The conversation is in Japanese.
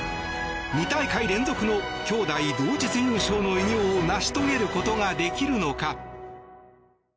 ２大会連続の兄妹同日優勝の偉業を成し遂げることができるのか。